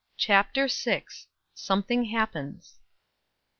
CHAPTER VI. SOMETHING HAPPENS.